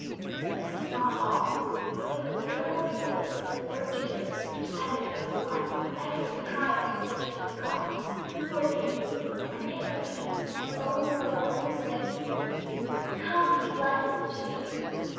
This is not all. It was the literal voice of the Lord Jesus which uttered that one echoless cry of desolation on the Cross 'for thee,' and it will be His own literal voice which will say, 'Come, ye blessed!' to thee.